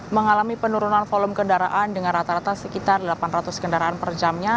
mengalami penurunan volume kendaraan dengan rata rata sekitar delapan ratus kendaraan per jamnya